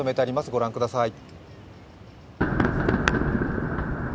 ご覧ください。